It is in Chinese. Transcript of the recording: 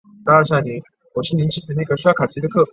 该物种的模式产地在南京。